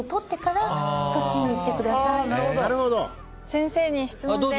先生に質問です。